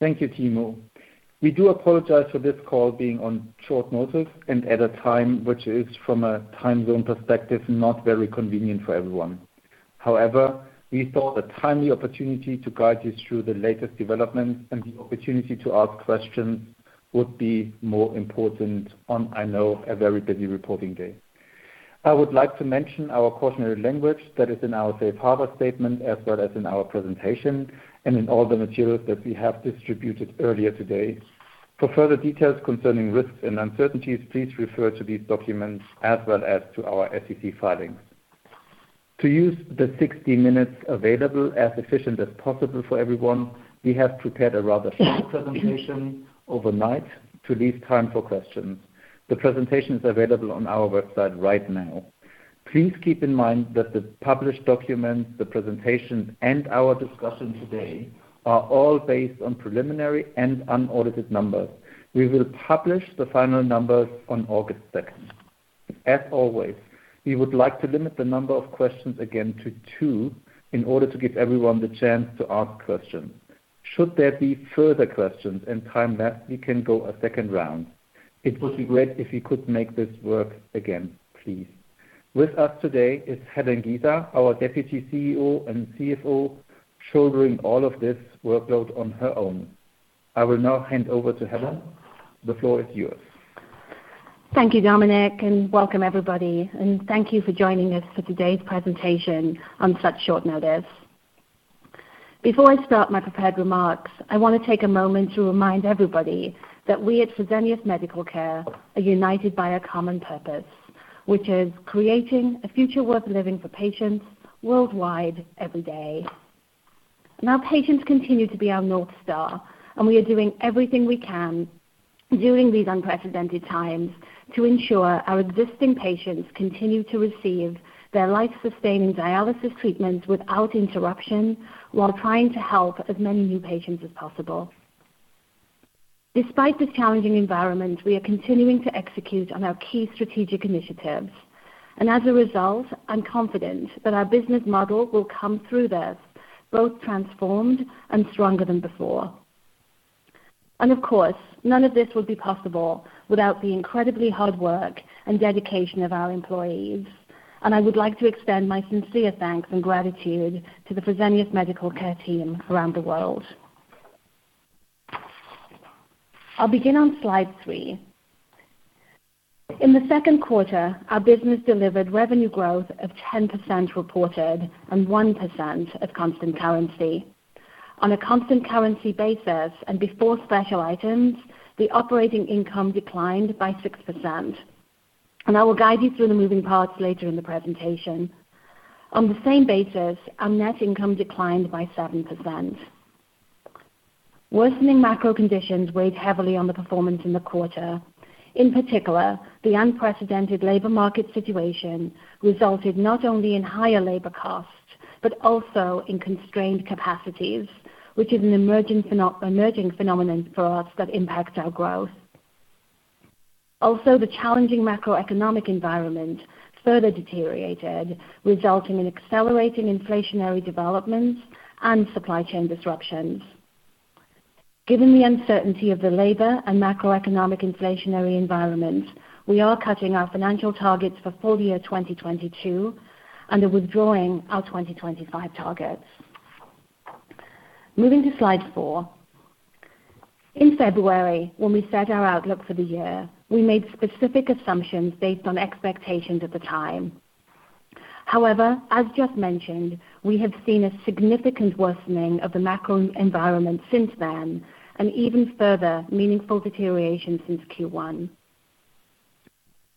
Thank you Timo. We do apologize for this call being on short notice and at a time which is from a time zone perspective, not very convenient for everyone. However, we thought a timely opportunity to guide you through the latest developments and the opportunity to ask questions would be more important on, I know, a very busy reporting day. I would like to mention our cautionary language that is in our safe harbor statement as well as in our presentation and in all the materials that we have distributed earlier today. For further details concerning risks and uncertainties, please refer to these documents as well as to our SEC filings. To use the 60 minutes available as efficient as possible for everyone, we have prepared a rather short presentation overnight to leave time for questions. The presentation is available on our website right now. Please keep in mind that the published documents, the presentation, and our discussion today are all based on preliminary and unaudited numbers. We will publish the final numbers on August second. As always, we would like to limit the number of questions again to two in order to give everyone the chance to ask questions. Should there be further questions and time left, we can go a second round. It would be great if we could make this work again, please. With us today is Helen Giza, our Deputy CEO and CFO, shouldering all of this workload on her own. I will now hand over to Helen. The floor is yours. Thank you Dominik and welcome everybody and thank you for joining us for today's presentation on such short notice. Before I start my prepared remarks, I want to take a moment to remind everybody that we at Fresenius Medical Care are united by a common purpose, which is creating a future worth living for patients worldwide every day. Our patients continue to be our North Star, and we are doing everything we can during these unprecedented times to ensure our existing patients continue to receive their life-sustaining dialysis treatments without interruption while trying to help as many new patients as possible. Despite this challenging environment, we are continuing to execute on our key strategic initiatives. As a result, I'm confident that our business model will come through this both transformed and stronger than before. Of course, none of this would be possible without the incredibly hard work and dedication of our employees. I would like to extend my sincere thanks and gratitude to the Fresenius Medical Care team around the world. I'll begin on slide 3. In the second quarter, our business delivered revenue growth of 10% reported and 1% at constant currency. On a constant currency basis and before special items, the operating income declined by 6%. I will guide you through the moving parts later in the presentation. On the same basis, our net income declined by 7%. Worsening macro conditions weighed heavily on the performance in the quarter. In particular, the unprecedented labor market situation resulted not only in higher labor costs, but also in constrained capacities, which is an emerging phenomenon for us that impacts our growth. Also, the challenging macroeconomic environment further deteriorated, resulting in accelerating inflationary developments and supply chain disruptions. Given the uncertainty of the labor and macroeconomic inflationary environment, we are cutting our financial targets for full year 2022 and are withdrawing our 2025 targets. Moving to slide 4. In February, when we set our outlook for the year, we made specific assumptions based on expectations at the time. However, as just mentioned, we have seen a significant worsening of the macro environment since then and even further meaningful deterioration since Q1.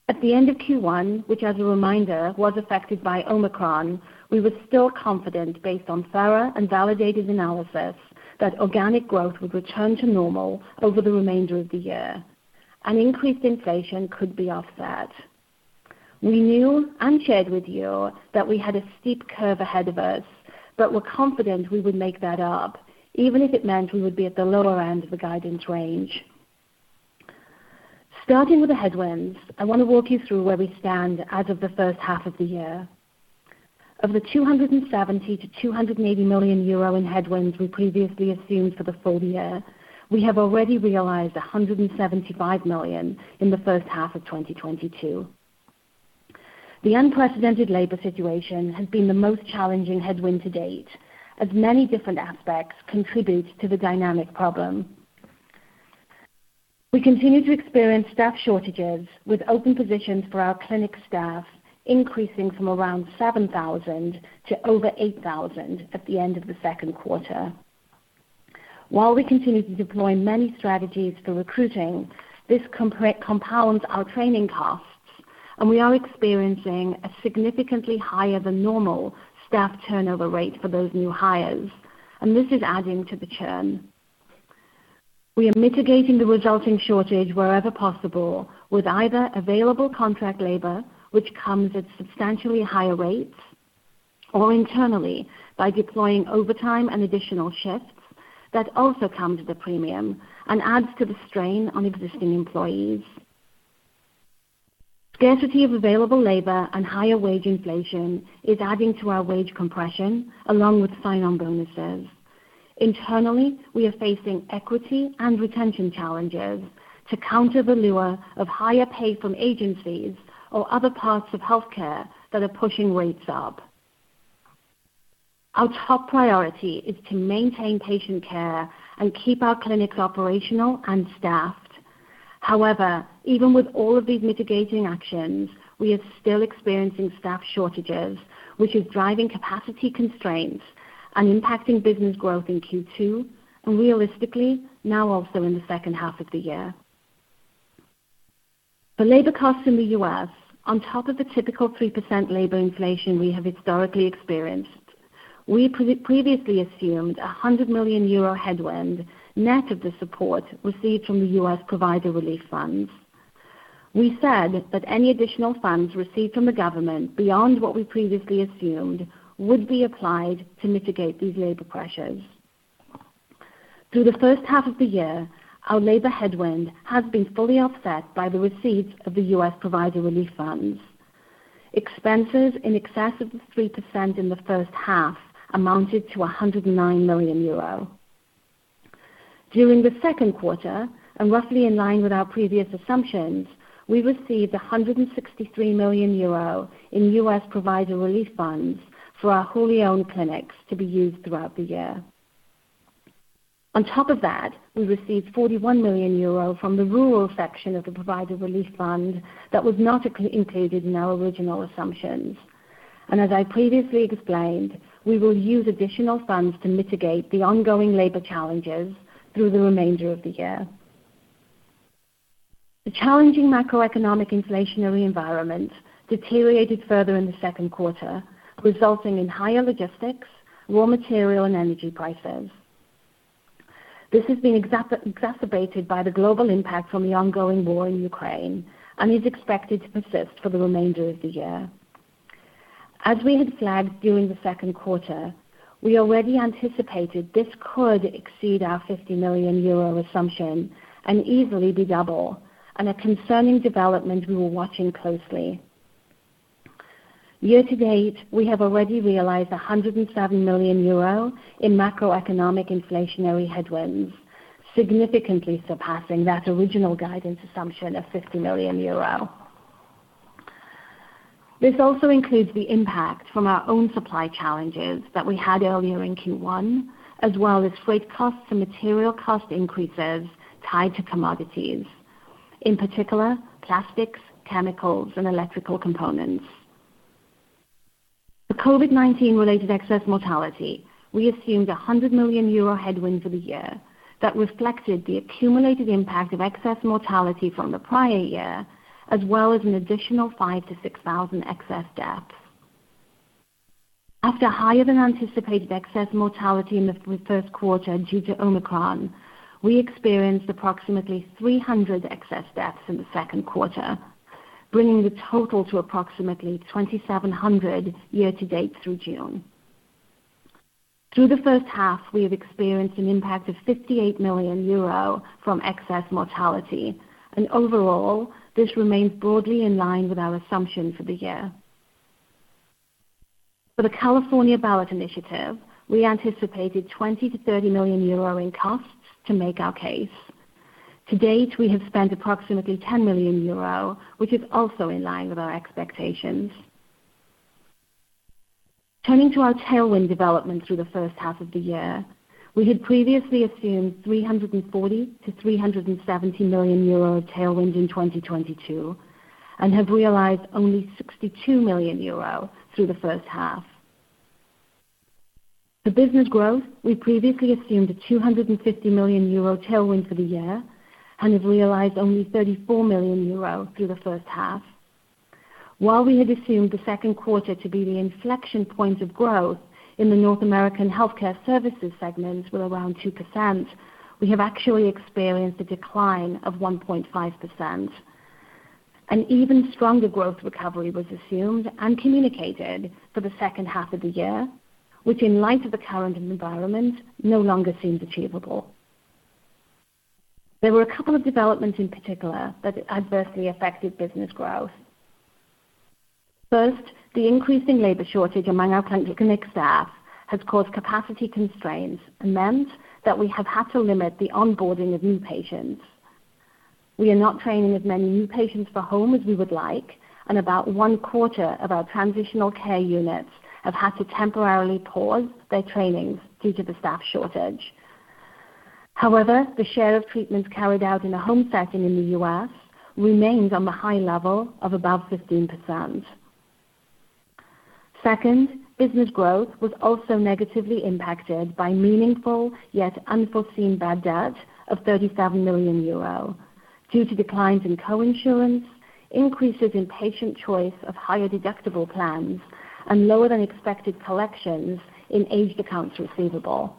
At the end of Q1, which as a reminder, was affected by Omicron, we were still confident, based on thorough and validated analysis, that organic growth would return to normal over the remainder of the year and increased inflation could be offset. We knew and shared with you that we had a steep curve ahead of us, but were confident we would make that up, even if it meant we would be at the lower end of the guidance range. Starting with the headwinds, I want to walk you through where we stand as of the first half of the year. Of the 270 million-280 million euro in headwinds we previously assumed for the full year, we have already realized 175 million in the first half of 2022. The unprecedented labor situation has been the most challenging headwind to date, as many different aspects contribute to the dynamic problem. We continue to experience staff shortages with open positions for our clinic staff, increasing from around 7,000 to over 8,000 at the end of the second quarter. While we continue to deploy many strategies for recruiting, this compounds our training costs, and we are experiencing a significantly higher than normal staff turnover rate for those new hires, and this is adding to the churn. We are mitigating the resulting shortage wherever possible with either available contract labor which comes at substantially higher rates, or internally by deploying overtime and additional shifts that also come at a premium and adds to the strain on existing employees. Scarcity of available labor and higher wage inflation is adding to our wage compression along with sign-on bonuses. Internally, we are facing equity and retention challenges to counter the lure of higher pay from agencies or other parts of healthcare that are pushing rates up. Our top priority is to maintain patient care and keep our clinics operational and staffed. However, even with all of these mitigating actions, we are still experiencing staff shortages, which is driving capacity constraints and impacting business growth in Q2, and realistically now also in the second half of the year. The labor costs in the U.S., on top of the typical 3% labor inflation we have historically experienced. We previously assumed a 100 million euro headwind net of the support received from the U.S. Provider Relief Funds. We said that any additional funds received from the government beyond what we previously assumed would be applied to mitigate these labor pressures. Through the first half of the year, our labor headwind has been fully offset by the receipt of the U.S. Provider Relief Funds. Expenses in excess of the 3% in the first half amounted to 109 million euro. During the second quarter and roughly in line with our previous assumptions, we received 163 million euro in U.S. Provider Relief Funds for our wholly owned clinics to be used throughout the year. On top of that, we received 41 million euro from the rural section of the Provider Relief Fund that was not included in our original assumptions. As I previously explained, we will use additional funds to mitigate the ongoing labor challenges through the remainder of the year. The challenging macroeconomic inflationary environment deteriorated further in the second quarter, resulting in higher logistics, raw material and energy prices. This has been exacerbated by the global impact from the ongoing war in Ukraine and is expected to persist for the remainder of the year. As we had flagged during the second quarter, we already anticipated this could exceed our 50 million euro assumption and easily double, and a concerning development we were watching closely. Year to date, we have already realized 107 million euro in macroeconomic inflationary headwinds, significantly surpassing that original guidance assumption of 50 million euro. This also includes the impact from our own supply challenges that we had earlier in Q1, as well as freight costs and material cost increases tied to commodities. In particular, plastics, chemicals and electrical components. The COVID-19 related excess mortality, we assumed a 100 million euro headwind for the year that reflected the accumulated impact of excess mortality from the prior year, as well as an additional 5,000-6,000 excess deaths. After higher than anticipated excess mortality in the first quarter due to Omicron, we experienced approximately 300 excess deaths in the second quarter, bringing the total to approximately 2,700 year to date through June. Through the first half, we have experienced an impact of 58 million euro from excess mortality, and overall, this remains broadly in line with our assumption for the year. For the California ballot initiative, we anticipated 20 million-30 million euro in costs to make our case. To date, we have spent approximately 10 million euro, which is also in line with our expectations. Turning to our tailwind development through the first half of the year, we had previously assumed 340 million-370 million euro tailwind in 2022 and have realized only 62 million euro through the first half. The business growth, we previously assumed a 250 million euro tailwind for the year and have realized only 34 million euro through the first half. While we had assumed the second quarter to be the inflection point of growth in the North American healthcare services segment were around 2%, we have actually experienced a decline of 1.5%. An even stronger growth recovery was assumed and communicated for the second half of the year, which in light of the current environment, no longer seems achievable. There were a couple of developments in particular that adversely affected business growth. First, the increasing labor shortage among our clinic staff has caused capacity constraints and meant that we have had to limit the onboarding of new patients. We are not training as many new patients for home as we would like, and about one quarter of our transitional care units have had to temporarily pause their trainings due to the staff shortage. However, the share of treatments carried out in a home setting in the U.S. remains on the high level of above 15%. Second, business growth was also negatively impacted by meaningful yet unforeseen bad debt of 37 million euro due to declines in coinsurance, increases in patient choice of higher deductible plans and lower than expected collections in aged accounts receivable.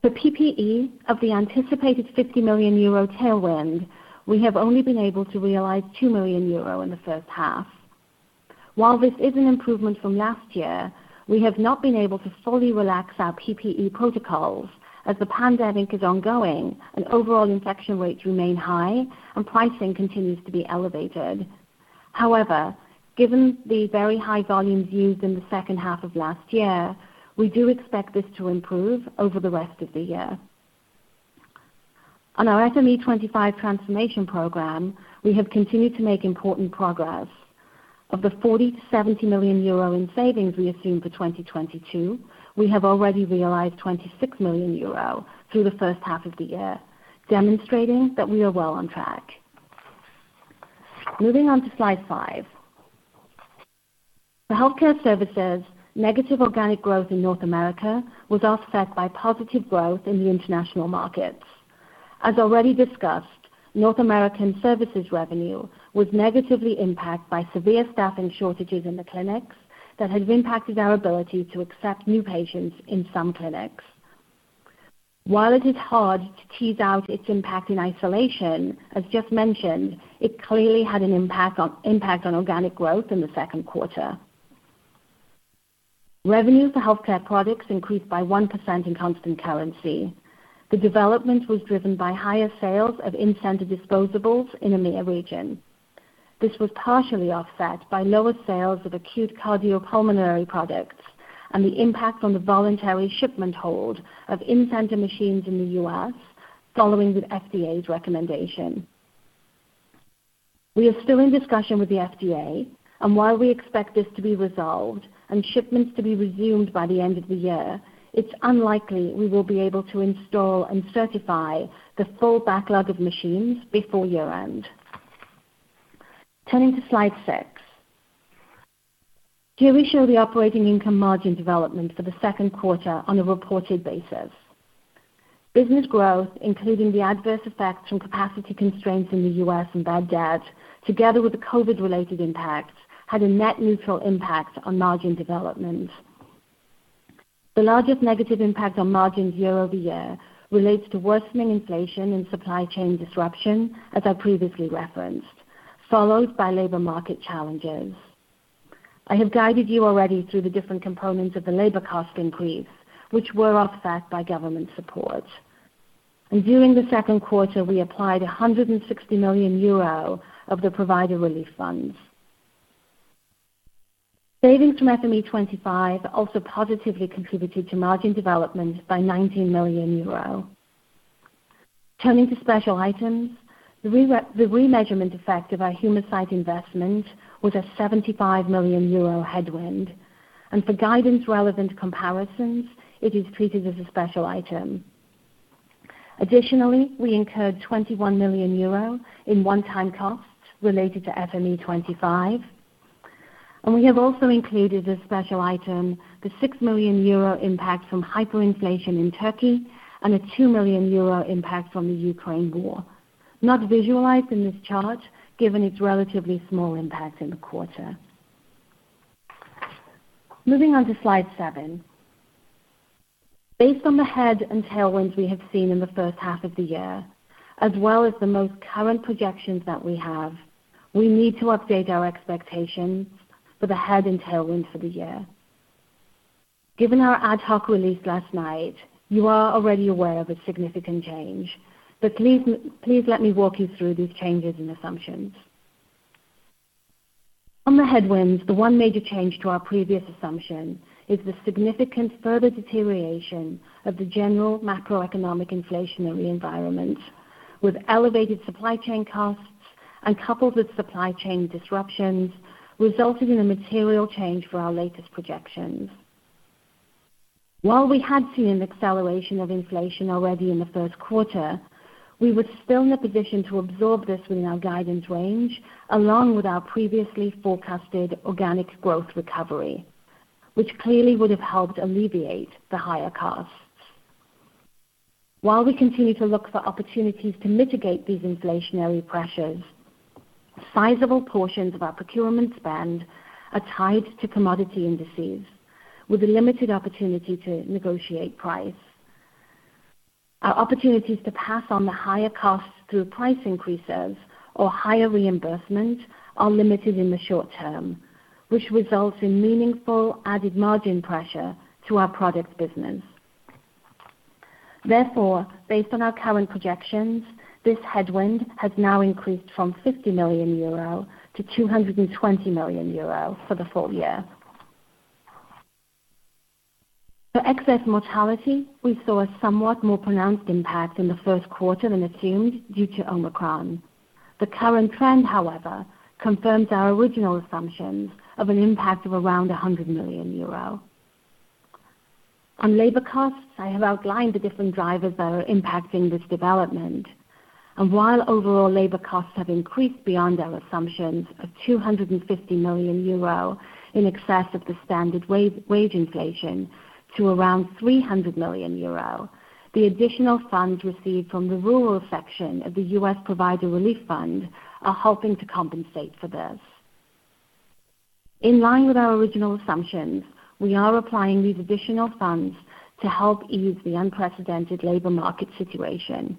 The PPE of the anticipated 50 million euro tailwind, we have only been able to realize 2 million euro in the first half. While this is an improvement from last year, we have not been able to fully relax our PPE protocols as the pandemic is ongoing and overall infection rates remain high and pricing continues to be elevated. However, given the very high volumes used in the second half of last year, we do expect this to improve over the rest of the year. On our FME25 transformation program, we have continued to make important progress. Of the 40 million-70 million euro in savings we assumed for 2022, we have already realized 26 million euro through the first half of the year, demonstrating that we are well on track. Moving on to slide 5. For healthcare services, negative organic growth in North America was offset by positive growth in the international markets. As already discussed, North American services revenue was negatively impacted by severe staffing shortages in the clinics that has impacted our ability to accept new patients in some clinics. While it is hard to tease out its impact in isolation, as just mentioned, it clearly had an impact on organic growth in the second quarter. Revenues for healthcare products increased by 1% in constant currency. The development was driven by higher sales of in-center disposables in EMEIA region. This was partially offset by lower sales of acute cardiopulmonary products and the impact on the voluntary shipment hold of in-center machines in the U.S. following the FDA's recommendation. We are still in discussion with the FDA, and while we expect this to be resolved and shipments to be resumed by the end of the year, it's unlikely we will be able to install and certify the full backlog of machines before year-end. Turning to slide 6. Here we show the operating income margin development for the second quarter on a reported basis. Business growth, including the adverse effects from capacity constraints in the U.S. and bad debt, together with the COVID-related impacts, had a net neutral impact on margin development. The largest negative impact on margins year-over-year relates to worsening inflation and supply chain disruption, as I previously referenced, followed by labor market challenges. I have guided you already through the different components of the labor cost increase, which were offset by government support. During the second quarter, we applied 160 million euro of the Provider Relief Funds. Savings from FME25 also positively contributed to margin development by 19 million euro. Turning to special items, the remeasurement effect of our Humacyte investment was a 75 million euro headwind, and for guidance-relevant comparisons, it is treated as a special item. Additionally, we incurred 21 million euro in one-time costs related to FME25. We have also included a special item, the 6 million euro impact from hyperinflation in Turkey and a 2 million euro impact from the Ukraine war. Not visualized in this chart, given its relatively small impact in the quarter. Moving on to slide 7. Based on the headwinds and tailwinds we have seen in the first half of the year, as well as the most current projections that we have, we need to update our expectations for the headwinds and tailwinds for the year. Given our ad hoc release last night, you are already aware of a significant change, but please let me walk you through these changes and assumptions. On the headwinds, the one major change to our previous assumption is the significant further deterioration of the general macroeconomic inflationary environment with elevated supply chain costs and coupled with supply chain disruptions, resulting in a material change for our latest projections. While we had seen an acceleration of inflation already in the first quarter, we were still in a position to absorb this within our guidance range, along with our previously forecasted organic growth recovery, which clearly would have helped alleviate the higher costs. While we continue to look for opportunities to mitigate these inflationary pressures, sizable portions of our procurement spend are tied to commodity indices with a limited opportunity to negotiate price. Our opportunities to pass on the higher costs through price increases or higher reimbursement are limited in the short term, which results in meaningful added margin pressure to our product business. Therefore, based on our current projections, this headwind has now increased from 50 million euro to 220 million euro for the full year. For excess mortality, we saw a somewhat more pronounced impact in the first quarter than assumed due to Omicron. The current trend, however, confirms our original assumptions of an impact of around 100 million euro. On labor costs, I have outlined the different drivers that are impacting this development. While overall labor costs have increased beyond our assumptions of 250 million euro in excess of the standard wage inflation to around 300 million euro, the additional funds received from the rural section of the U.S. Provider Relief Fund are helping to compensate for this. In line with our original assumptions, we are applying these additional funds to help ease the unprecedented labor market situation.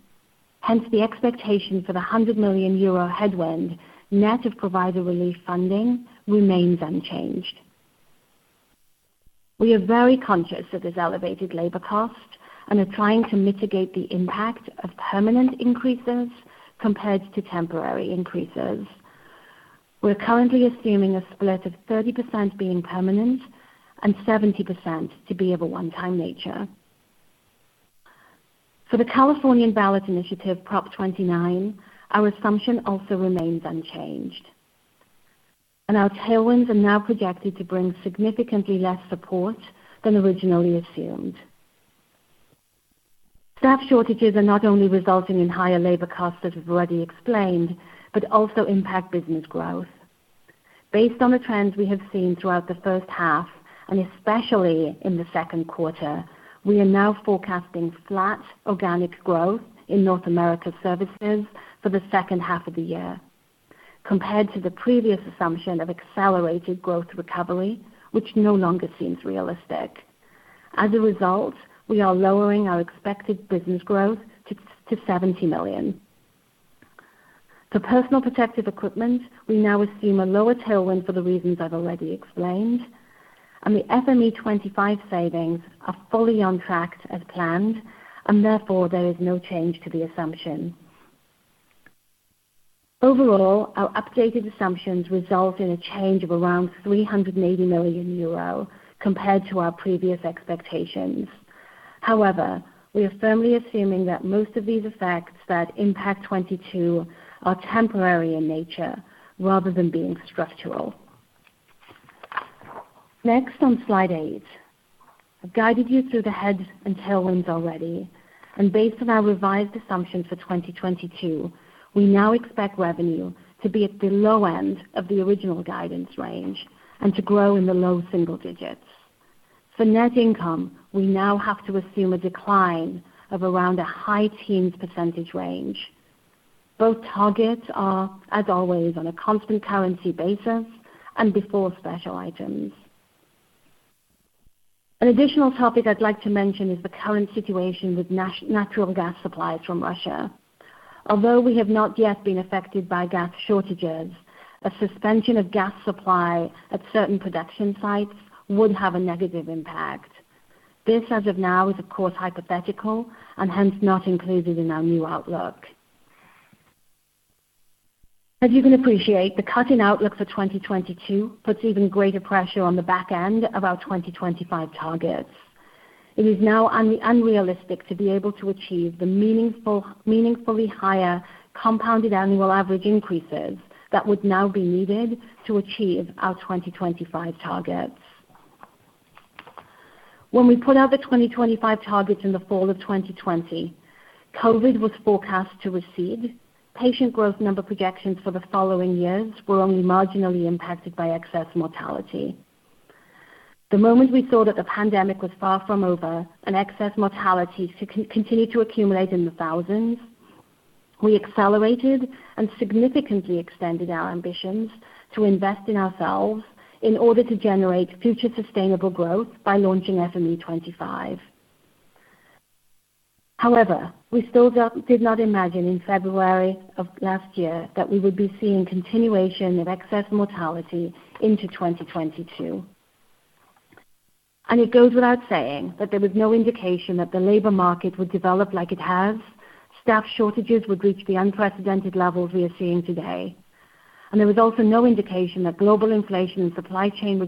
Hence, the expectation for the 100 million euro headwind net of provider relief funding remains unchanged. We are very conscious of this elevated labor cost and are trying to mitigate the impact of permanent increases compared to temporary increases. We're currently assuming a split of 30% being permanent and 70% to be of a one-time nature. For the California ballot initiative, Proposition 29, our assumption also remains unchanged. Our tailwinds are now projected to bring significantly less support than originally assumed. Staff shortages are not only resulting in higher labor costs, as we've already explained, but also impact business growth. Based on the trends we have seen throughout the first half, and especially in the second quarter, we are now forecasting flat organic growth in North America services for the second half of the year compared to the previous assumption of accelerated growth recovery, which no longer seems realistic. As a result, we are lowering our expected business growth to 70 million. For personal protective equipment, we now assume a lower tailwind for the reasons I've already explained, and the FME25 savings are fully on track as planned, and therefore there is no change to the assumption. Overall, our updated assumptions result in a change of around 380 million euro compared to our previous expectations. However, we are firmly assuming that most of these effects that impact 2022 are temporary in nature rather than being structural. Next on slide 8. I've guided you through the headwinds and tailwinds already, and based on our revised assumption for 2022, we now expect revenue to be at the low end of the original guidance range and to grow in the low single digits%. For net income, we now have to assume a decline of around a high teens percentage range. Both targets are, as always, on a constant currency basis and before special items. An additional topic I'd like to mention is the current situation with natural gas supplies from Russia. Although we have not yet been affected by gas shortages, a suspension of gas supply at certain production sites would have a negative impact. This, as of now, is of course hypothetical and hence not included in our new outlook. As you can appreciate, the current outlook for 2022 puts even greater pressure on the back end of our 2025 targets. It is now unrealistic to be able to achieve the meaningfully higher compounded annual average increases that would now be needed to achieve our 2025 targets. When we put out the 2025 targets in the fall of 2020, COVID was forecast to recede. Patient growth number projections for the following years were only marginally impacted by excess mortality. The moment we saw that the pandemic was far from over and excess mortality continued to accumulate in the thousands, we accelerated and significantly extended our ambitions to invest in ourselves in order to generate future sustainable growth by launching FME25. However, we still did not imagine in February of last year that we would be seeing continuation of excess mortality into 2022. It goes without saying that there was no indication that the labor market would develop like it has. Staff shortages would reach the unprecedented levels we are seeing today. There was also no indication that global inflation and supply chain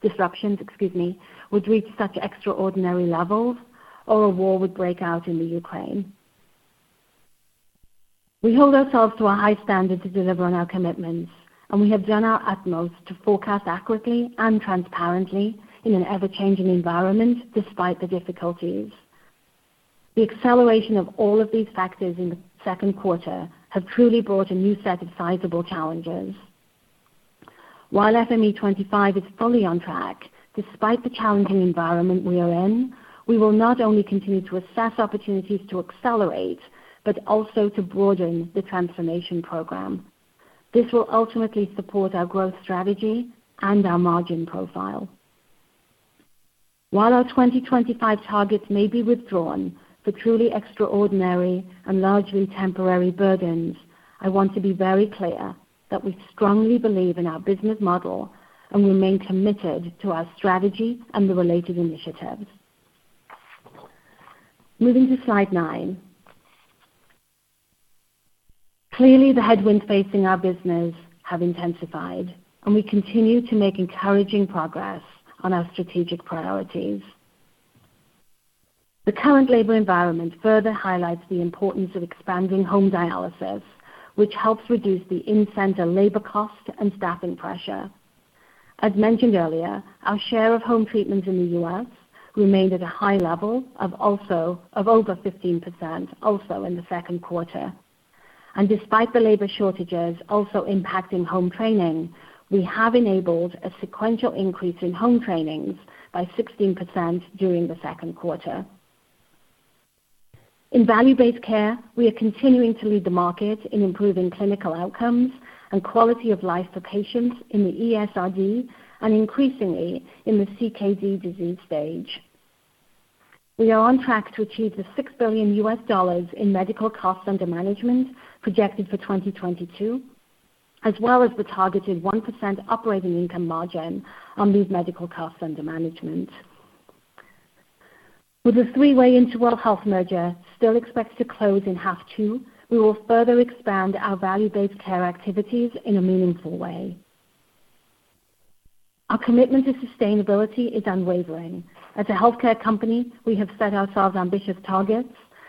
disruptions, excuse me, would reach such extraordinary levels or a war would break out in Ukraine. We hold ourselves to a high standard to deliver on our commitments, and we have done our utmost to forecast accurately and transparently in an ever-changing environment despite the difficulties. The acceleration of all of these factors in the second quarter have truly brought a new set of sizable challenges. While FME25 is fully on track despite the challenging environment we are in, we will not only continue to assess opportunities to accelerate, but also to broaden the transformation program. This will ultimately support our growth strategy and our margin profile. While our 2025 targets may be withdrawn for truly extraordinary and largely temporary burdens, I want to be very clear that we strongly believe in our business model and remain committed to our strategy and the related initiatives. Moving to slide 9. Clearly, the headwinds facing our business have intensified, and we continue to make encouraging progress on our strategic priorities. The current labor environment further highlights the importance of expanding home dialysis, which helps reduce the in-center labor cost and staffing pressure. As mentioned earlier, our share of home treatments in the U.S. remained at a high level of over 15% also in the second quarter. Despite the labor shortages also impacting home training, we have enabled a sequential increase in home trainings by 16% during the second quarter. In value-based care, we are continuing to lead the market in improving clinical outcomes and quality of life for patients in the ESRD and increasingly in the CKD disease stage. We are on track to achieve the $6 billion in medical cost under management projected for 2022, as well as the targeted 1% operating income margin on these medical cost under management. With the three-way InterWell Health merger still expected to close in half two, we will further expand our value-based care activities in a meaningful way. Our commitment to sustainability is unwavering. As a healthcare company, we have set ourselves ambitious targets,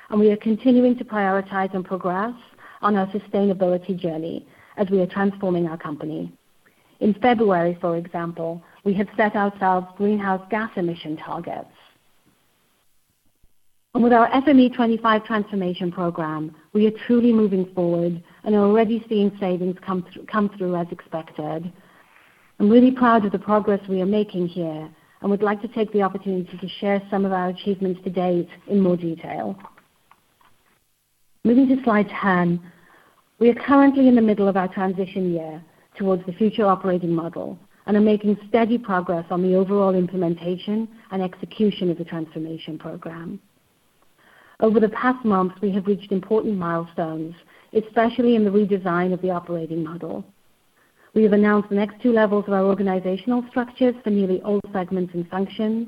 and we are continuing to prioritize and progress on our sustainability journey as we are transforming our company. In February, for example, we have set ourselves greenhouse gas emission targets. With our FME25 transformation program, we are truly moving forward and are already seeing savings come through as expected. I'm really proud of the progress we are making here, and would like to take the opportunity to share some of our achievements to date in more detail. Moving to slide 10. We are currently in the middle of our transition year towards the future operating model and are making steady progress on the overall implementation and execution of the transformation program. Over the past months, we have reached important milestones, especially in the redesign of the operating model. We have announced the next two levels of our organizational structures for nearly all segments and functions.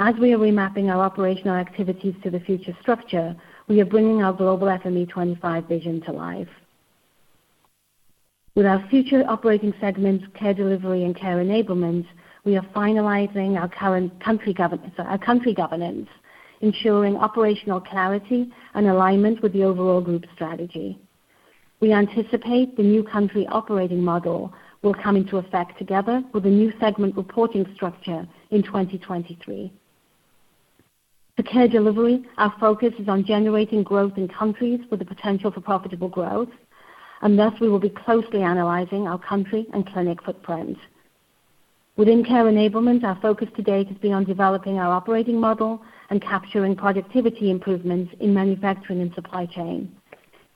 As we are remapping our operational activities to the future structure, we are bringing our global FME25 vision to life. With our future operating segments, Care Delivery and Care Enablement, we are finalizing our country governance, ensuring operational clarity and alignment with the overall group strategy. We anticipate the new country operating model will come into effect together with a new segment reporting structure in 2023. For Care Delivery, our focus is on generating growth in countries with the potential for profitable growth, and thus we will be closely analyzing our country and clinic footprint. Within Care Enablement, our focus to date has been on developing our operating model and capturing productivity improvements in manufacturing and supply chain.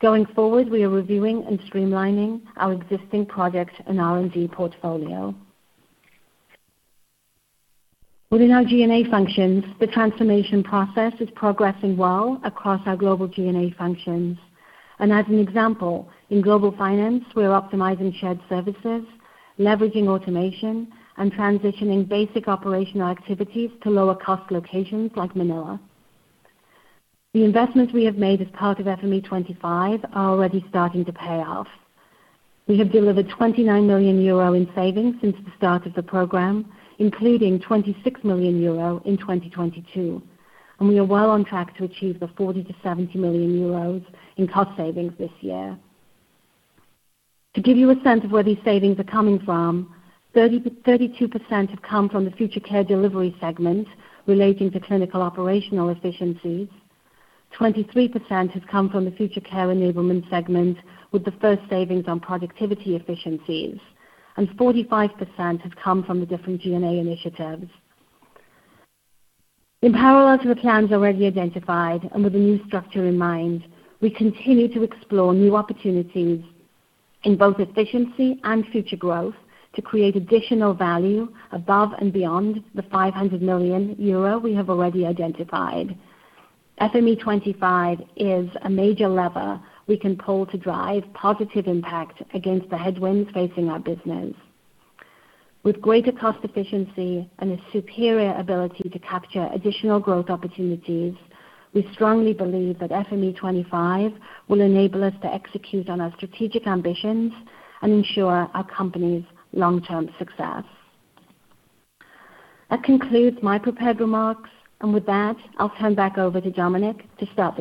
Going forward, we are reviewing and streamlining our existing projects and R&D portfolio. Within our G&A functions, the transformation process is progressing well across our global G&A functions. As an example, in global finance, we are optimizing shared services, leveraging automation and transitioning basic operational activities to lower cost locations like Manila. The investments we have made as part of FME25 are already starting to pay off. We have delivered 29 million euro in savings since the start of the program, including 26 million euro in 2022, and we are well on track to achieve 40 million-70 million euros in cost savings this year. To give you a sense of where these savings are coming from, 32% have come from the Care Delivery segment relating to clinical operational efficiencies. 23% have come from the Care Enablement segment with the first savings on productivity efficiencies, and 45% have come from the different G&A initiatives. In parallel to the plans already identified and with the new structure in mind, we continue to explore new opportunities in both efficiency and future growth to create additional value above and beyond the 500 million euro we have already identified. FME25 is a major lever we can pull to drive positive impact against the headwinds facing our business. With greater cost efficiency and a superior ability to capture additional growth opportunities, we strongly believe that FME25 will enable us to execute on our strategic ambitions and ensure our company's long-term success. That concludes my prepared remarks, and with that, I'll turn back over to Dominik to start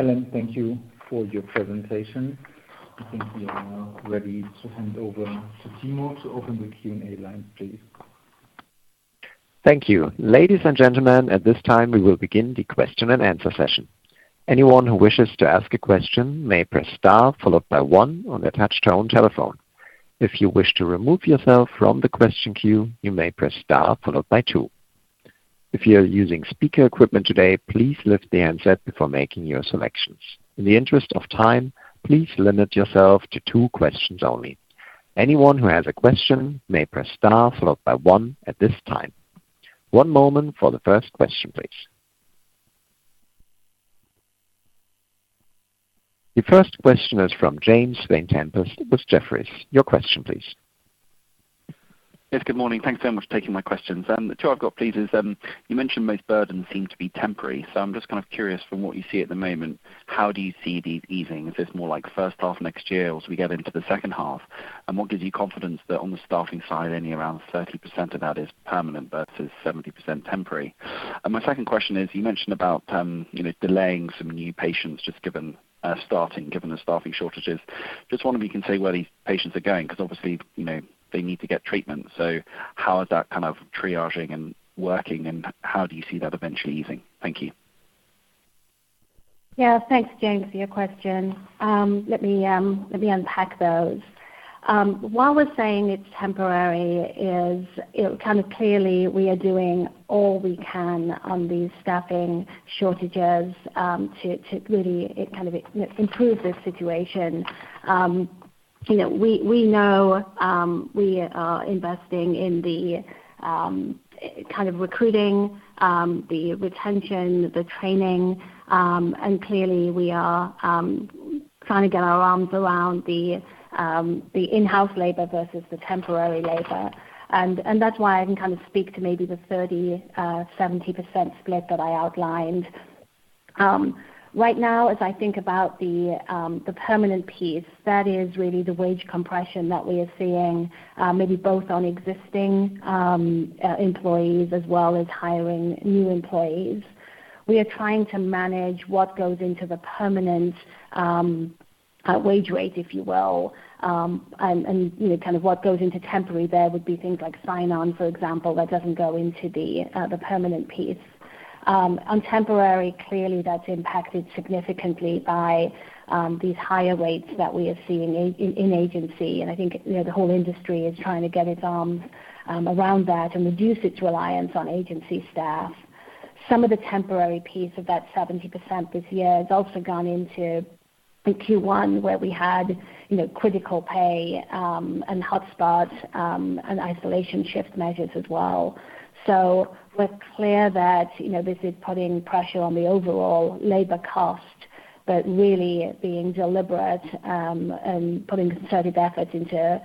the Q&A. Helen Giza, thank you for your presentation. I think we are now ready to hand over to Timo to open the Q&A line, please. Thank you. Ladies and gentlemen, at this time we will begin the question and answer session. Anyone who wishes to ask a question may press star followed by one on their touchtone telephone. If you wish to remove yourself from the question queue, you may press star followed by two. If you're using speaker equipment today, please lift the handset before making your selections. In the interest of time, please limit yourself to two questions only. Anyone who has a question may press star followed by one at this time. One moment for the first question, please. The first question is from James Vane-Tempest with Jefferies. Your question please. Yes good morning. Thanks so much for taking my questions. The two I've got please is, you mentioned most burdens seem to be temporary. I'm just kind of curious from what you see at the moment, how do you see these easing? If it's more like first half next year or as we get into the second half. What gives you confidence that on the staffing side, only around 30% of that is permanent versus 70% temporary? My second question is, you mentioned about, you know, delaying some new patients just given the staffing shortages. Just wonder if you can say where these patients are going because obviously, you know, they need to get treatment. How is that kind of triaging and working and how do you see that eventually easing? Thank you. Yeah. Thanks James for your question. Let me unpack those. Why we're saying it's temporary is clearly we are doing all we can on these staffing shortages, to really, you know, improve the situation. You know, we know we are investing in the kind of recruiting, the retention, the training, and clearly we are trying to get our arms around the in-house labor versus the temporary labor. And that's why I can kind of speak to maybe the 30-70% split that I outlined. Right now, as I think about the permanent piece, that is really the wage compression that we are seeing, maybe both on existing employees as well as hiring new employees. We are trying to manage what goes into the permanent wage rate, if you will, and you know, kind of what goes into temporary there would be things like sign-on, for example, that doesn't go into the permanent piece. On temporary, clearly that's impacted significantly by these higher rates that we are seeing in agency. I think, you know, the whole industry is trying to get its arms around that and reduce its reliance on agency staff. Some of the temporary piece of that 70% this year has also gone into Q1, where we had, you know, critical pay and hotspot and isolation shift measures as well. We're clear that, you know, this is putting pressure on the overall labor cost, but really being deliberate, and putting concerted effort into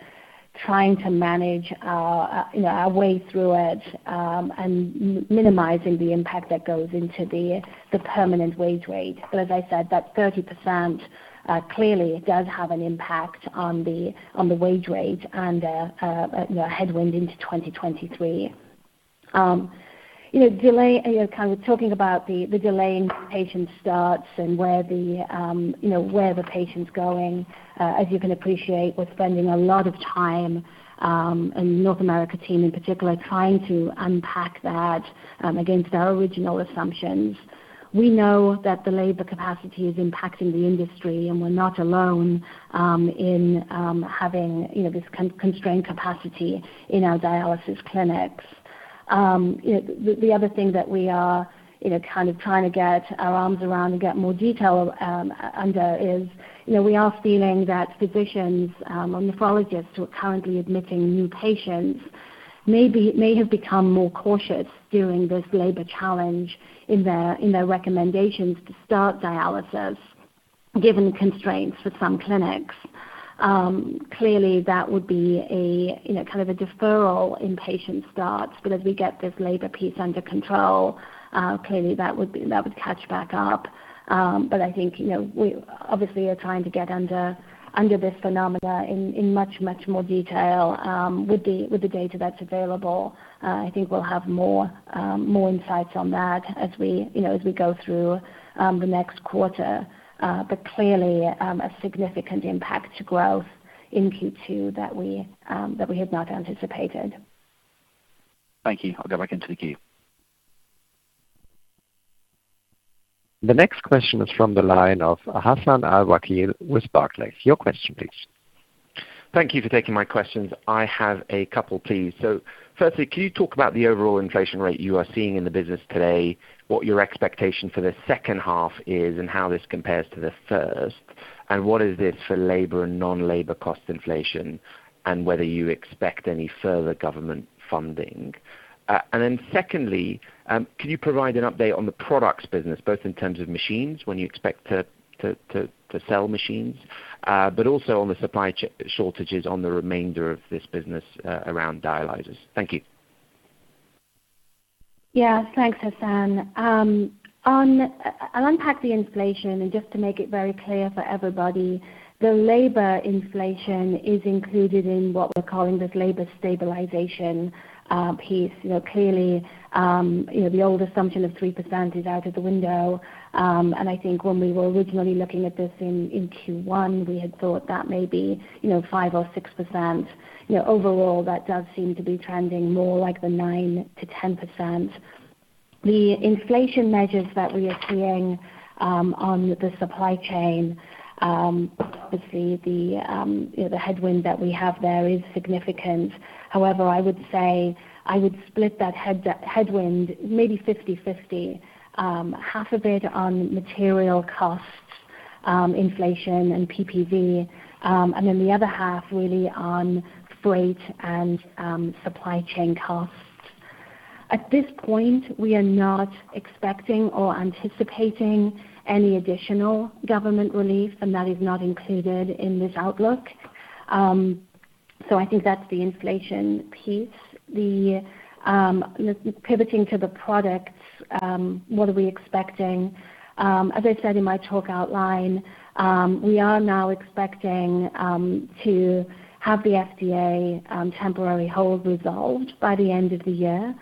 trying to manage our, you know, our way through it, and minimizing the impact that goes into the permanent wage rate. As I said, that 30%, clearly does have an impact on the wage rate and, you know, headwind into 2023. You know, kind of talking about the delay in patient starts and where the patient's going. As you can appreciate, we're spending a lot of time, and North America team in particular, trying to unpack that against our original assumptions. We know that the labor capacity is impacting the industry, and we're not alone in having, you know, this constrained capacity in our dialysis clinics. You know, the other thing that we are, you know, kind of trying to get our arms around and get more detail on this is, you know, we are feeling that physicians or nephrologists who are currently admitting new patients may have become more cautious during this labor challenge in their recommendations to start dialysis, given the constraints for some clinics. Clearly that would be a, you know, kind of a deferral in patient starts, but as we get this labor piece under control, clearly that would catch back up. I think you know, we obviously are trying to get under this phenomenon in much more detail with the data that's available. I think we'll have more insights on that as we, you know, as we go through the next quarter. Clearly, a significant impact to growth in Q2 that we had not anticipated. Thank you. I'll go back into the queue. The next question is from the line of Hassan Al-Wakeel with Barclays. Your question please. Thank you for taking my questions. I have a couple, please. Firstly, can you talk about the overall inflation rate you are seeing in the business today, what your expectation for the second half is, and how this compares to the first? What is this for labor and non-labor cost inflation, and whether you expect any further government funding? Secondly, can you provide an update on the products business, both in terms of machines, when you expect to sell machines, but also on the supply chain shortages on the remainder of this business, around dialyzers. Thank you. Yeah. Thanks Hassan. I'll unpack the inflation and just to make it very clear for everybody, the labor inflation is included in what we're calling this labor stabilization piece. You know, clearly, you know, the old assumption of 3% is out of the window. I think when we were originally looking at this in Q1, we had thought that may be, you know, 5% or 6%. You know, overall, that does seem to be trending more like the 9%-10%. The inflation measures that we are seeing on the supply chain, obviously, the headwind that we have there is significant. However, I would say I would split that headwind maybe 50/50, half of it on material costs, inflation and PPV, and then the other half really on freight and supply chain costs. At this point, we are not expecting or anticipating any additional government relief, and that is not included in this outlook. I think that's the inflation piece. You know, pivoting to the products, what are we expecting? As I said in my talk outline, we are now expecting to have the FDA temporary hold resolved by the end of the year.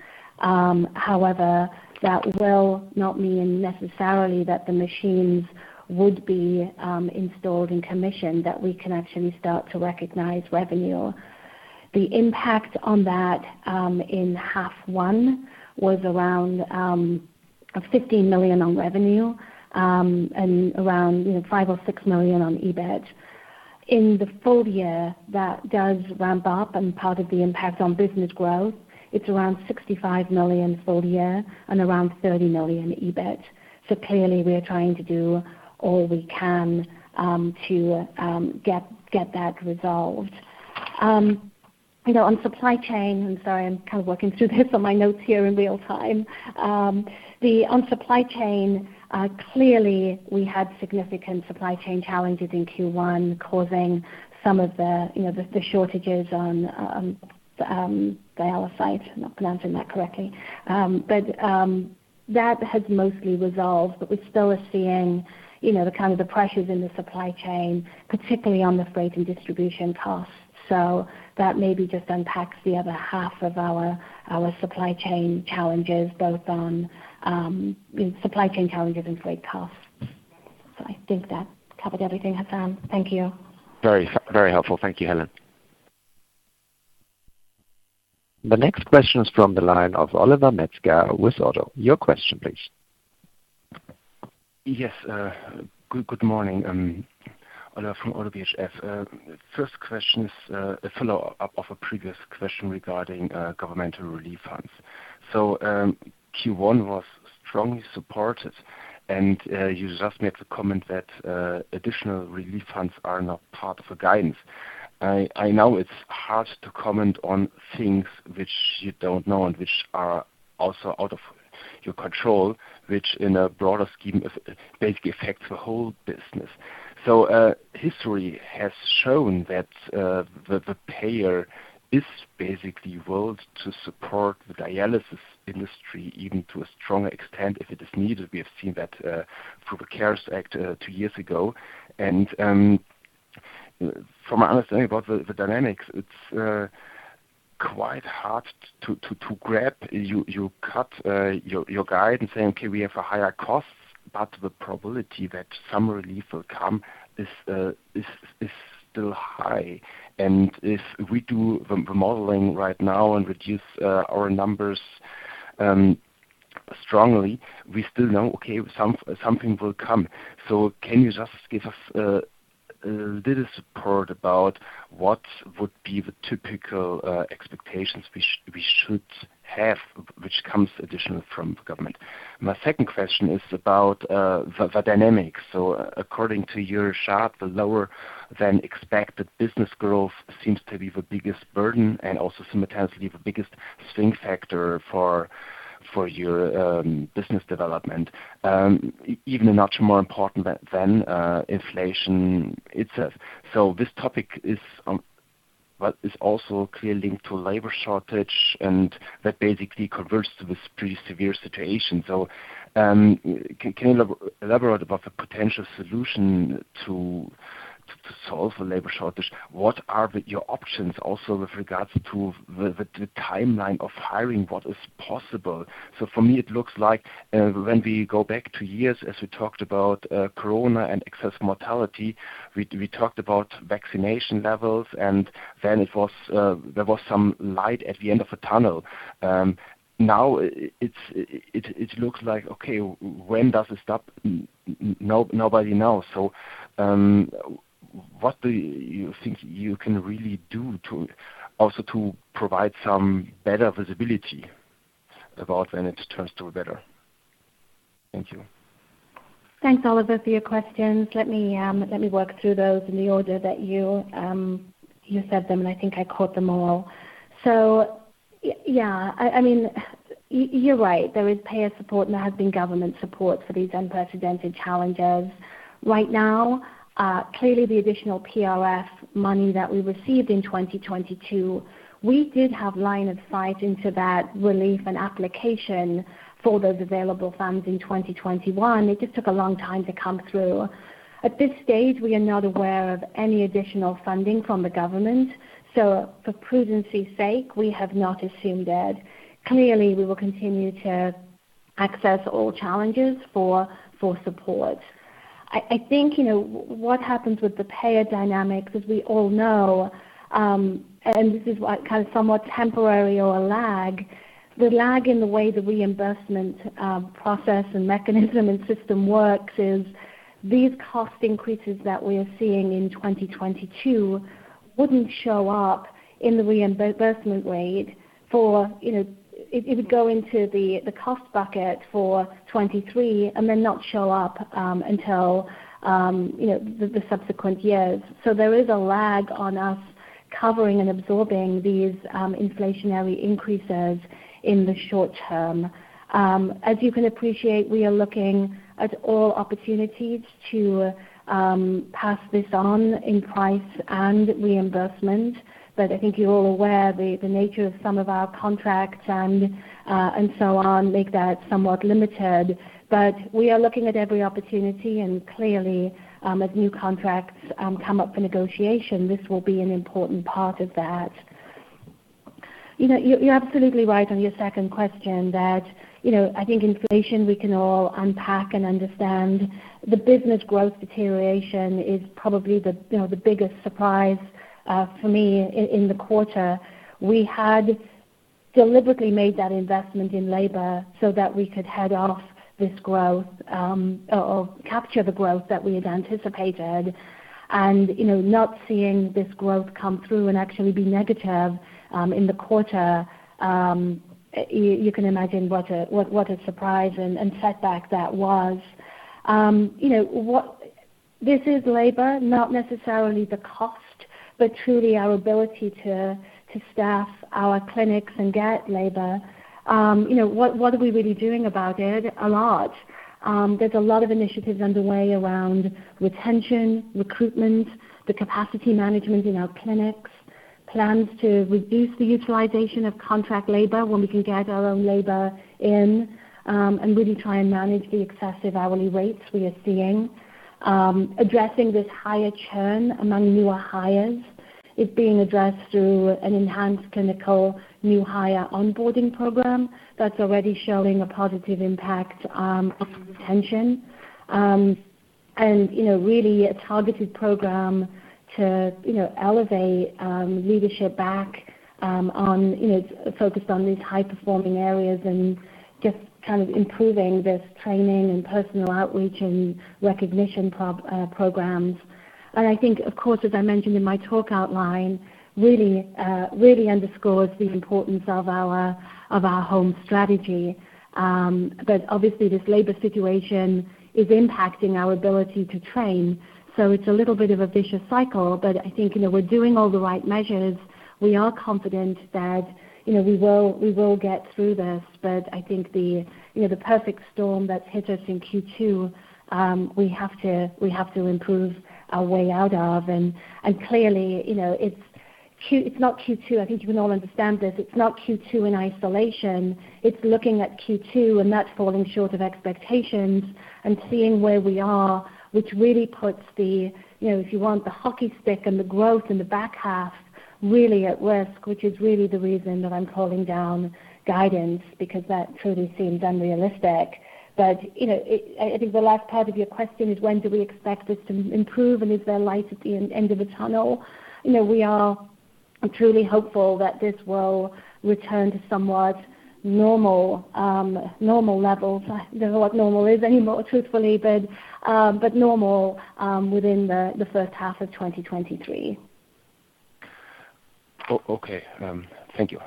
However, that will not mean necessarily that the machines would be installed and commissioned, that we can actually start to recognize revenue. The impact on that in H1 was around 15 million on revenue and around, you know, 5 or 6 million on EBIT. In the full year, that does ramp up and part of the impact on business growth, it's around 65 million full year and around 30 million EBIT. Clearly we are trying to do all we can to get that resolved. You know, on supply chain. I'm sorry, I'm kind of working through this on my notes here in real time. On supply chain, clearly we had significant supply chain challenges in Q1 causing some of the, you know, the shortages on dialysate. I'm not pronouncing that correctly. That has mostly resolved, but we still are seeing, you know, the kind of pressures in the supply chain, particularly on the freight and distribution costs. That maybe just unpacks the other half of our supply chain challenges, both on supply chain challenges and freight costs. I think that covered everything, Hassan. Thank you. Very, very helpful. Thank you Helen. The next question is from the line of Oliver Metzger with Oddo BHF. Your question, please. Good morning. Oliver from Oddo BHF. First question is a follow-up of a previous question regarding governmental relief funds. Q1 was strongly supported, and you just made the comment that additional relief funds are not part of the guidance. I know it's hard to comment on things which you don't know and which are also out of your control, which in a broader scheme basically affects the whole business. History has shown that the payer is basically willing to support the dialysis industry, even to a stronger extent if it is needed. We have seen that through the CARES Act two years ago. From my understanding about the dynamics, it's quite hard to grasp. You cut your guidance and saying, "Okay, we have a higher cost," but the probability that some relief will come is still high. If we do the modeling right now and reduce our numbers strongly, we still know, okay, something will come. Can you just give us a little support about what would be the typical expectations we should have, which comes additional from government? My second question is about the dynamics. According to your chart, the lower-than-expected business growth seems to be the biggest burden and also simultaneously the biggest swing factor for your business development, even much more important than inflation itself. This topic is, well, also clearly linked to labor shortage, and that basically converts to this pretty severe situation. Can you elaborate about the potential solution to solve the labor shortage? What are your options also with regards to the timeline of hiring? What is possible? For me it looks like when we go back two years as we talked about, corona and excess mortality, we talked about vaccination levels, and then it was there was some light at the end of the tunnel. Now it's it looks like, okay, when does it stop? Nobody knows. What do you think you can really do to also provide some better visibility about when it turns to better? Thank you. Thanks Oliver for your questions. Let me work through those in the order that you said them, and I think I caught them all. Yeah, I mean, you're right. There is payer support, and there has been government support for these unprecedented challenges. Right now, clearly the additional PRF money that we received in 2022, we did have line of sight into that relief and application for those available funds in 2021. It just took a long time to come through. At this stage, we are not aware of any additional funding from the government, so for prudence's sake, we have not assumed it. Clearly, we will continue to assess all challenges for support. I think you know, what happens with the payer dynamics, as we all know, and this is why kind of somewhat temporary or a lag, the lag in the way the reimbursement process and mechanism and system works is these cost increases that we are seeing in 2022 wouldn't show up in the reimbursement rate for, you know. It would go into the cost bucket for 2023 and then not show up until, you know, the subsequent years. There is a lag on us covering and absorbing these inflationary increases in the short term. As you can appreciate, we are looking at all opportunities to pass this on in price and reimbursement, but I think you're all aware the nature of some of our contracts and so on make that somewhat limited. We are looking at every opportunity and clearly, as new contracts come up for negotiation, this will be an important part of that. You know, you're absolutely right on your second question that, you know, I think inflation we can all unpack and understand. The business growth deterioration is probably, you know, the biggest surprise for me in the quarter. We had deliberately made that investment in labor so that we could head off this growth, or capture the growth that we had anticipated. You know, not seeing this growth come through and actually be negative in the quarter, you can imagine what a surprise and setback that was. You know, this is labor, not necessarily the cost, but truly our ability to staff our clinics and get labor. You know what are we really doing about it? A lot. There's a lot of initiatives underway around retention, recruitment, the capacity management in our clinics, plans to reduce the utilization of contract labor when we can get our own labor in, and really try and manage the excessive hourly rates we are seeing. Addressing this higher churn among newer hires is being addressed through an enhanced clinical new hire onboarding program that's already showing a positive impact on retention. You know, really a targeted program to, you know, elevate leadership back on, you know, focused on these high-performing areas and just kind of improving this training and personal outreach and recognition programs. I think, of course, as I mentioned in my talk outline, really underscores the importance of our home strategy. Obviously this labor situation is impacting our ability to train. So it's a little bit of a vicious cycle, but I think, you know, we're doing all the right measures. We are confident that, you know, we will get through this. I think the, you know, the perfect storm that's hit us in Q2, we have to improve our way out of and clearly, you know, it's not Q2. I think you can all understand this. It's not Q2 in isolation. It's looking at Q2 and that falling short of expectations and seeing where we are, which really puts the, you know, if you want the hockey stick and the growth in the back half really at risk, which is really the reason that I'm calling down guidance because that truly seemed unrealistic. You know, I think the last part of your question is when do we expect this to improve and is there light at the end of the tunnel? You know, we are truly hopeful that this will return to somewhat normal levels. I don't know what normal is anymore, truthfully, but normal within the first half of 2023. Okay. Thank you.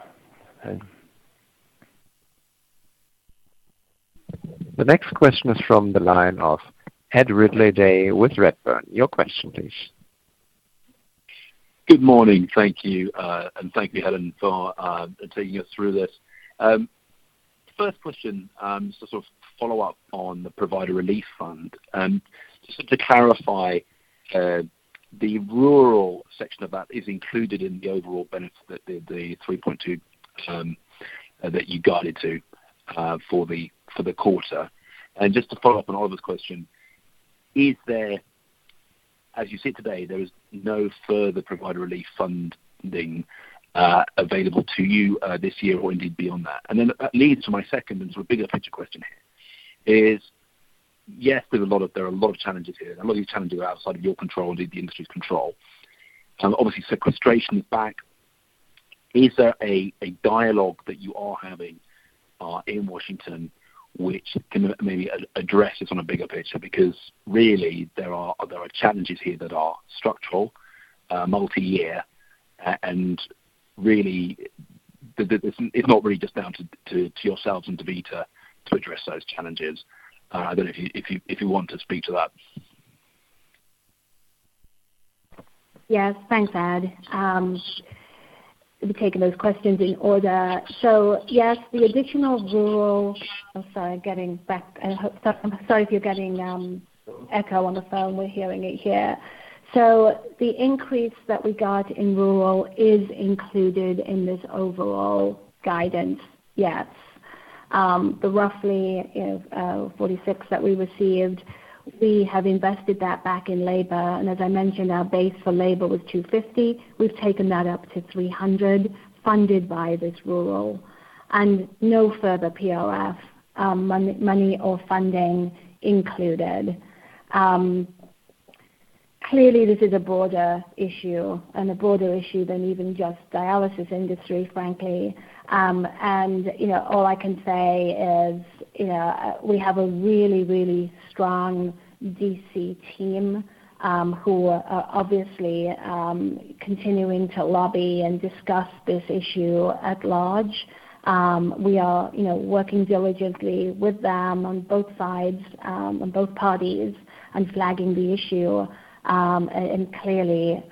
The next question is from the line of Ed Ridley-Day with Redburn. Your question please. Good morning. Thank you and thank you Helen for taking us through this. First question, just to sort of follow up on the Provider Relief Fund. Just to clarify, the rural section of that is included in the overall benefit that the 3.2 that you guided to for the quarter. Just to follow up on Oliver's question, is there, as you sit today, there is no further Provider Relief Fund available to you this year or indeed beyond that? That leads to my second and sort of bigger picture question here is, yes, there are a lot of challenges here, and a lot of these challenges are outside of your control and indeed the industry's control. Obviously sequestration is back. Is there a dialogue that you are having in Washington which can maybe address this on a bigger picture? Because really there are challenges here that are structural, multiyear, and really it's not really just down to yourselves and DaVita to address those challenges. I don't know if you want to speak to that. Yes. Thanks Ed. Let me take those questions in order. Yes the additional rural. I'm sorry, getting back. Sorry if you're getting echo on the phone. We're hearing it here. The increase that we got in rural is included in this overall guidance, yes. The roughly 46 that we received, we have invested that back in labor. As I mentioned, our base for labor was 250. We've taken that up to 300 funded by this rural and no further PRF money or funding included. Clearly this is a broader issue than even just dialysis industry, frankly. You know, all I can say is, you know, we have a really strong D.C. team who are obviously continuing to lobby and discuss this issue at large. We are, you know, working diligently with them on both sides, on both parties and flagging the issue. Clearly,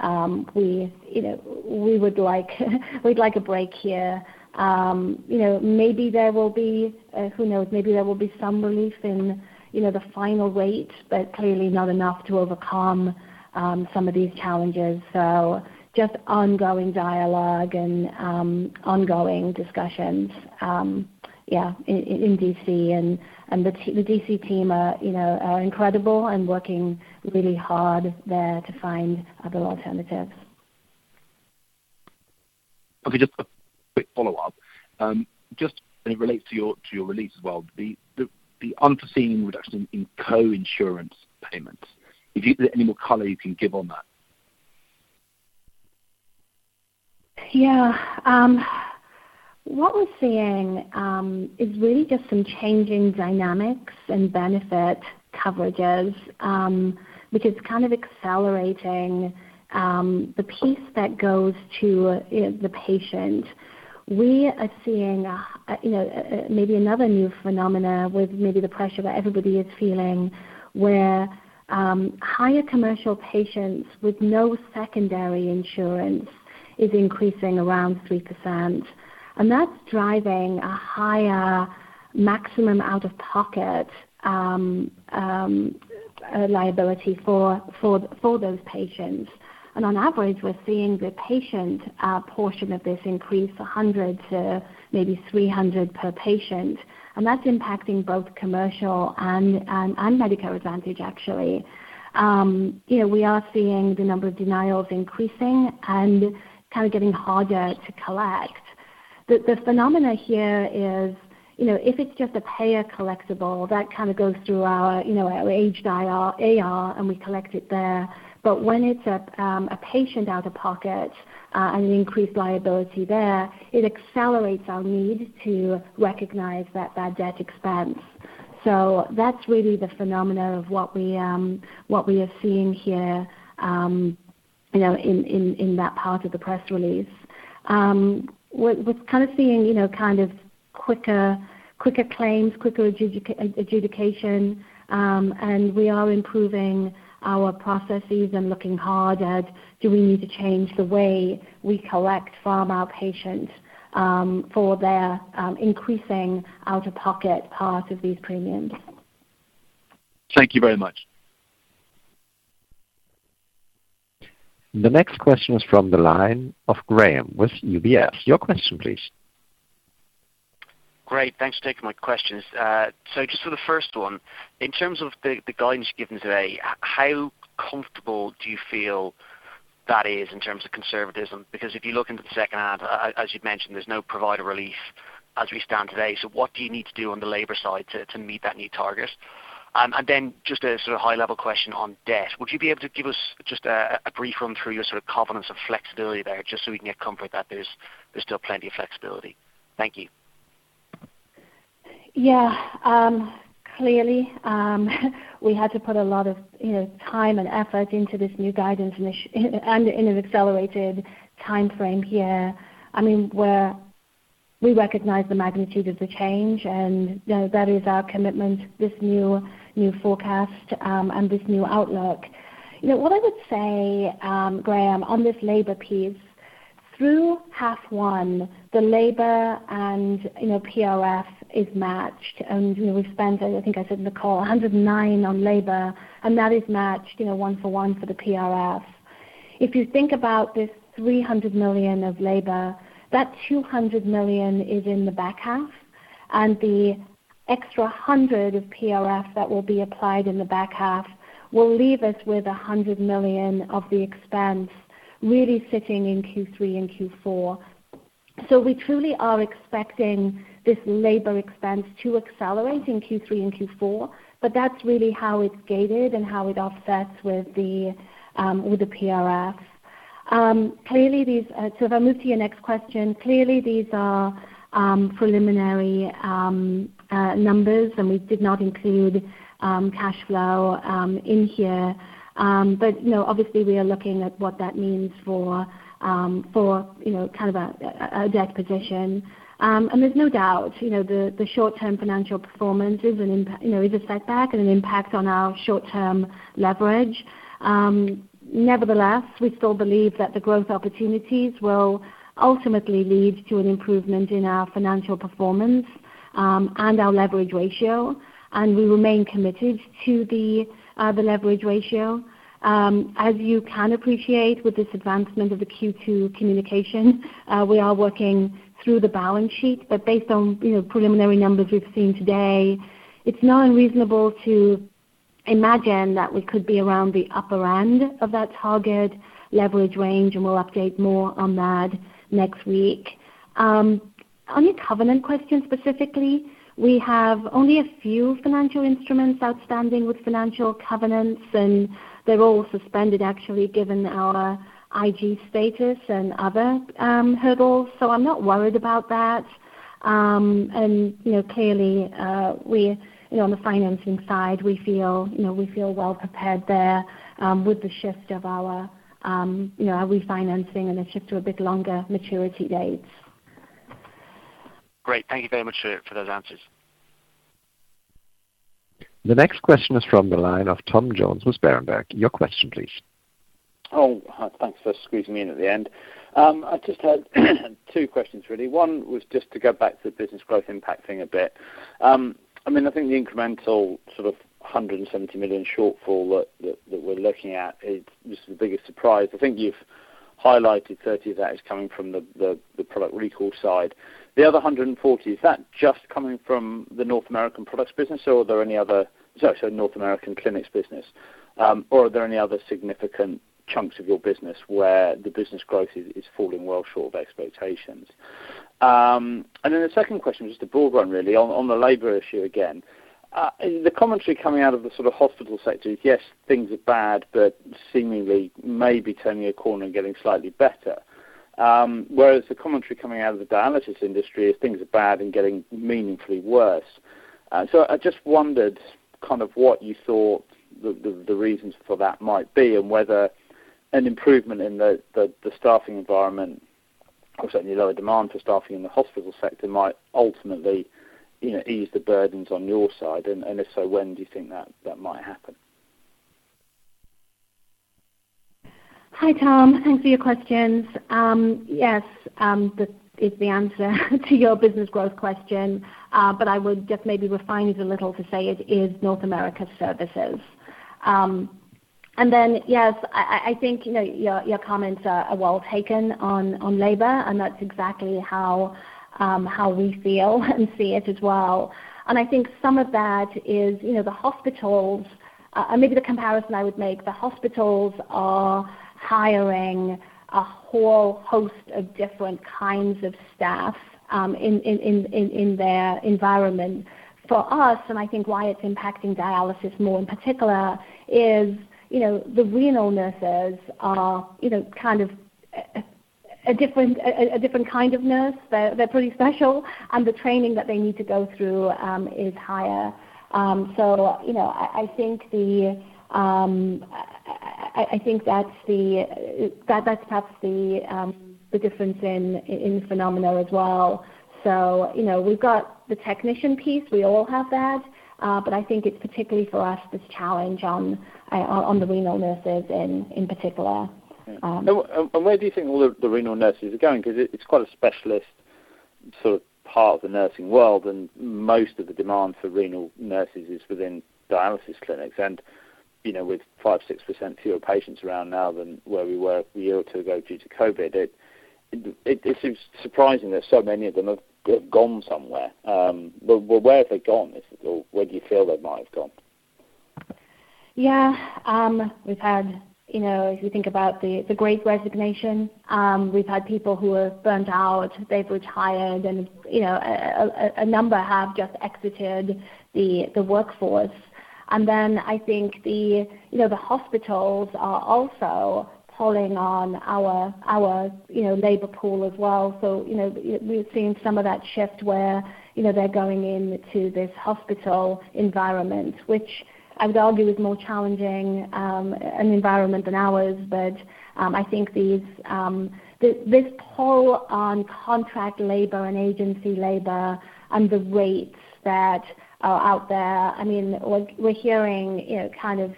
we, you know, we'd like a break here. You know, maybe there will be, who knows, maybe there will be some relief in, you know, the final rate, but clearly not enough to overcome some of these challenges. Just ongoing dialogue and ongoing discussions in D.C. and the D.C. team are incredible and working really hard there to find other alternatives. Okay. Just a quick follow-up. It relates to your release as well, the unforeseen reduction in coinsurance payments. Is there any more color you can give on that? Yeah. What we're seeing is really just some changing dynamics in benefit coverages, which is kind of accelerating the piece that goes to, you know, the patient. We are seeing, you know, maybe another new phenomenon with maybe the pressure that everybody is feeling where higher commercial patients with no secondary insurance is increasing around 3%. That's driving a higher maximum out-of-pocket liability for those patients. On average, we're seeing the patient portion of this increase 100 to maybe 300 per patient. That's impacting both commercial and Medicare Advantage, actually. You know, we are seeing the number of denials increasing and kind of getting harder to collect. The phenomenon here is, you know, if it's just a payer collectible that kind of goes through our, you know, our aged A/R, and we collect it there. When it's a patient out-of-pocket and an increased liability there, it accelerates our need to recognize that bad debt expense. That's really the phenomenon of what we are seeing here, you know, in that part of the press release. We're kind of seeing, you know, kind of quicker claims, quicker adjudication, and we are improving our processes and looking hard at do we need to change the way we collect from our patients for their increasing out-of-pocket part of these premiums. Thank you very much. The next question is from the line of Graham with UBS. Your question please. Great. Thanks for taking my questions. So just for the first one, in terms of the guidance you've given today, how comfortable do you feel that is in terms of conservatism? Because if you look into the second half, as you've mentioned, there's no provider relief as we stand today. So what do you need to do on the labor side to meet that new target? Just a sort of high-level question on debt. Would you be able to give us just a brief run through your sort of covenants of flexibility there just so we can get comfort that there's still plenty of flexibility. Thank you. Yeah. Clearly we had to put a lot of, you know, time and effort into this new guidance and in an accelerated timeframe here. I mean, we recognize the magnitude of the change, and, you know, that is our commitment, this new forecast, and this new outlook. You know, what I would say, Graham, on this labor piece, through half one, the labor and, you know, PRF is matched. You know, we spent, I think I said in the call, $109 on labor, and that is matched, you know, one for one for the PRF. If you think about this 300 million of labor, that 200 million is in the back half, and the extra 100 million of PRF that will be applied in the back half will leave us with 100 million of the expense really sitting in Q3 and Q4. We truly are expecting this labor expense to accelerate in Q3 and Q4, but that's really how it's gated and how it offsets with the PRF. If I move to your next question, clearly these are preliminary numbers, and we did not include cash flow in here. You know, obviously we are looking at what that means for you know, kind of a debt position. There's no doubt, you know, the short-term financial performance is a setback and an impact on our short-term leverage. Nevertheless, we still believe that the growth opportunities will ultimately lead to an improvement in our financial performance, and our leverage ratio, and we remain committed to the leverage ratio. As you can appreciate with this advancement of the Q2 communication, we are working through the balance sheet, but based on, you know, preliminary numbers we've seen today, it's not unreasonable to imagine that we could be around the upper end of that target leverage range, and we'll update more on that next week. On your covenant question specifically, we have only a few financial instruments outstanding with financial covenants, and they're all suspended actually, given our IG status and other hurdles. I'm not worried about that. You know, clearly, on the financing side, we feel well prepared there, with the shift of our refinancing and a shift to a bit longer maturity dates. Great. Thank you very much for those answers. The next question is from the line of Tom Jones with Berenberg. Your question please. Oh hi. Thanks for squeezing me in at the end. I just had two questions really. One was just to go back to the business growth impacting a bit. I mean, I think the incremental sort of 170 million shortfall that we're looking at is just the biggest surprise. I think you've highlighted 30 of that is coming from the product recall side. The other 140, is that just coming from the North American products business, or are there any other? Sorry, North American clinics business. Or are there any other significant chunks of your business where the business growth is falling well short of expectations? And then the second question was just a broad one really on the labor issue again. The commentary coming out of the sort of hospital sector is, yes, things are bad, but seemingly may be turning a corner and getting slightly better. Whereas the commentary coming out of the dialysis industry is things are bad and getting meaningfully worse. I just wondered kind of what you thought the reasons for that might be and whether an improvement in the staffing environment, or certainly a lower demand for staffing in the hospital sector, might ultimately, you know, ease the burdens on your side. If so, when do you think that might happen? Hi Tom. Thanks for your questions. Yes, that is the answer to your business growth question. I would just maybe refine it a little to say it is North America services. Yes, I think, you know, your comments are well taken on labor, and that's exactly how we feel and see it as well. I think some of that is, you know, the hospitals. Maybe the comparison I would make, the hospitals are hiring a whole host of different kinds of staff, in their environment. For us, I think why it's impacting dialysis more in particular is, you know, the renal nurses are, you know, kind of a different kind of nurse. They're pretty special, and the training that they need to go through is higher. You know, I think that's perhaps the difference in the phenomena as well. You know, we've got the technician piece, we all have that, but I think it's particularly for us, this challenge on the renal nurses in particular. Where do you think all the renal nurses are going? Because it's quite a specialist sort of part of the nursing world, and most of the demand for renal nurses is within dialysis clinics. You know, with 5%-6% fewer patients around now than where we were a year or two ago due to COVID, it seems surprising that so many of them have gone somewhere. Where have they gone? Or where do you feel they might have gone? Yeah. We've had, you know, if you think about the great resignation, we've had people who are burned out, they've retired and, you know, a number have just exited the workforce. I think the hospitals are also pulling on our labor pool as well. You know, we've seen some of that shift where, you know, they're going into this hospital environment, which I would argue is more challenging, an environment than ours. I think these, this pull on contract labor and agency labor and the rates that are out there, I mean, we're hearing, you know, kind of,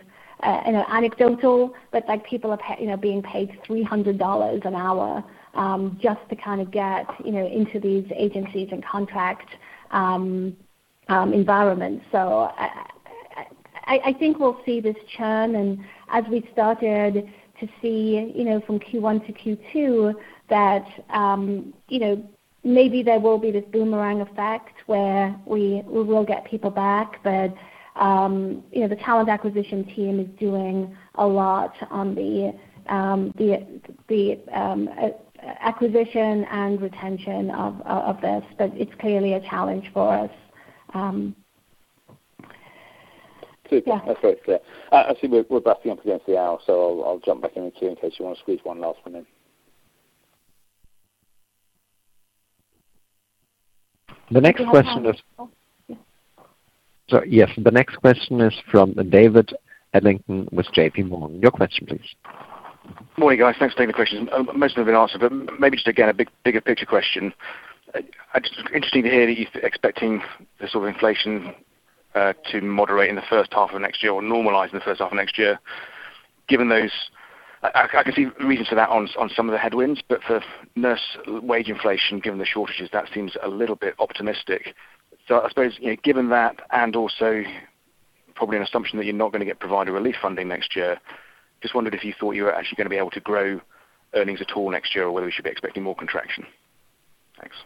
you know, anecdotal, but like people are being paid $300 an hour, just to kind of get, you know, into these agencies and contract environments. I think we'll see this churn and as we started to see, you know, from Q1 to Q2, that, you know, maybe there will be this boomerang effect where we will get people back. You know, the talent acquisition team is doing a lot on the acquisition and retention of this, but it's clearly a challenge for us. Yeah. Super. That's very clear. I see we're wrapping up against the hour, so I'll jump back in the queue in case you wanna squeeze one last one in. The next question is. Do we have time? Oh, yeah. Sorry yes. The next question is from David Adlington with JP Morgan. Your question, please. Morning guys. Thanks for taking the questions. Most of them have been answered, but maybe just, again, a bigger picture question. Just interesting to hear that you're expecting this sort of inflation to moderate in the first half of next year or normalize in the first half of next year. Given those, I can see reasons for that on some of the headwinds, but for nurse wage inflation, given the shortages, that seems a little bit optimistic. I suppose, you know, given that and also probably an assumption that you're not gonna get Provider Relief Fund next year, just wondered if you thought you were actually gonna be able to grow earnings at all next year, or whether we should be expecting more contraction. Thanks.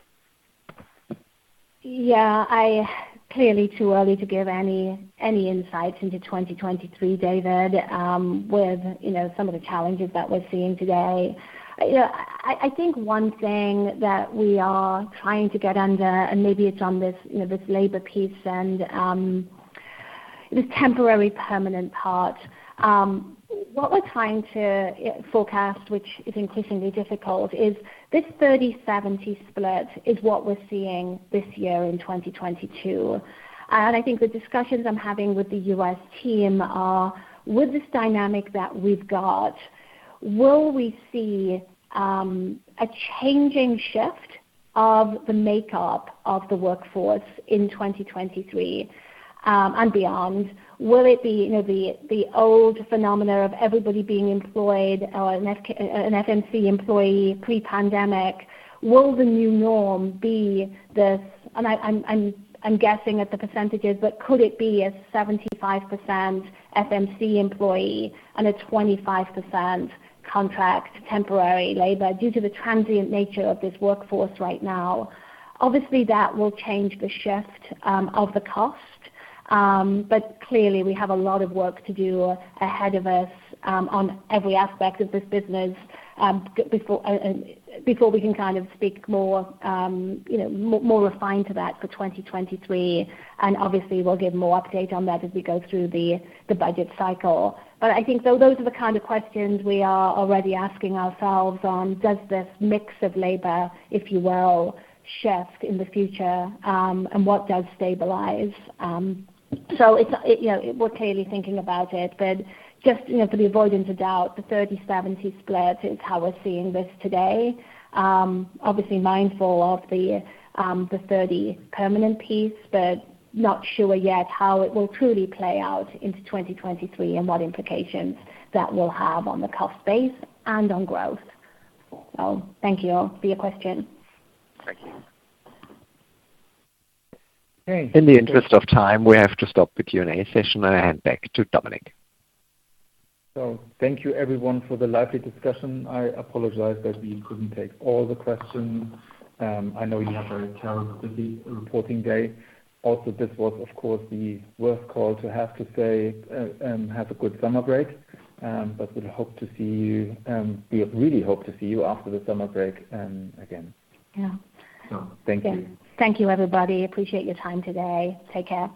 Yeah, clearly too early to give any insights into 2023, David, with, you know, some of the challenges that we're seeing today. You know, I think one thing that we are trying to get under, and maybe it's on this, you know, this labor piece and, this temporary permanent part, what we're trying to forecast, which is increasingly difficult, is this 30/70 split, which is what we're seeing this year in 2022. I think the discussions I'm having with the U.S. team are, with this dynamic that we've got, will we see a changing shift of the makeup of the workforce in 2023 and beyond? Will it be, you know, the old phenomenon of everybody being employed or an FMC employee pre-pandemic? Will the new norm be this, and I'm guessing at the percentages, but could it be a 75% FMC employee and a 25% contract temporary labor due to the transient nature of this workforce right now? Obviously, that will change the shift of the cost. But clearly we have a lot of work to do ahead of us on every aspect of this business before we can kind of speak more, you know, more refined to that for 2023. Obviously, we'll give more update on that as we go through the budget cycle. I think though, those are the kind of questions we are already asking ourselves on, does this mix of labor, if you will, shift in the future, and what does stabilize? You know, we're clearly thinking about it, but just, you know, to avoid any doubt, the 30/70 split is how we're seeing this today. Obviously mindful of the 30 permanent piece, but not sure yet how it will truly play out into 2023 and what implications that will have on the cost base and on growth. Thank you for your question. Thank you. In the interest of time, we have to stop the Q&A session. I hand back to Dominik. Thank you everyone for the lively discussion. I apologize that we couldn't take all the questions. I know you have a terribly busy reporting day. Also, this was of course the worst call to have to say, have a good summer break. We hope to see you. We really hope to see you after the summer break again. Yeah. Thank you. Thank you everybody. Appreciate your time today. Take care.